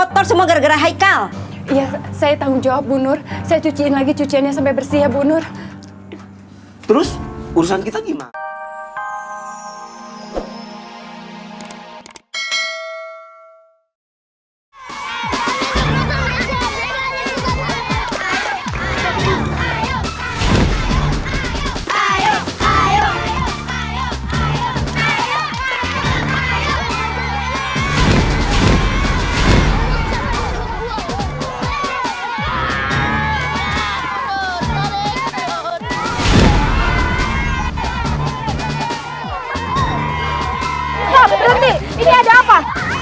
terus urusan kita gimana